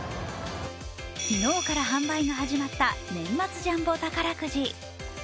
昨日から販売が始まった年末ジャンボ宝くじ。